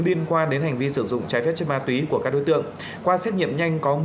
liên quan đến hành vi sử dụng trái phép chất ma túy của các đối tượng qua xét nghiệm nhanh có